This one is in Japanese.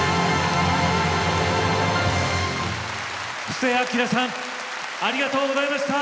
布施明さんありがとうございました。